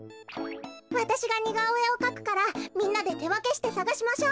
わたしがにがおえをかくからみんなでてわけしてさがしましょう。